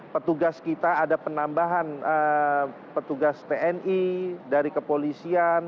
petugas kita ada penambahan petugas tni dari kepolisian